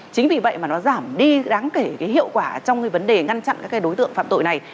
chính vì vậy mà nó giảm đi đáng kể cái hiệu quả trong cái vấn đề ngăn chặn các cái đối tượng phạm tội này